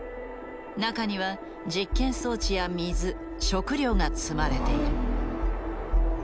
中には実験装置や水食料が積まれている。